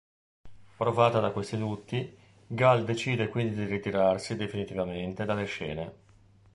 Provata da questi lutti, Gall decide quindi di ritirarsi definitivamente dalle scene.